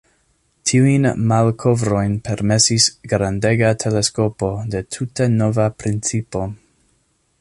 Tiujn malkovrojn permesis grandega teleskopo de tute nova principo.